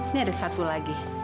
ini ada satu lagi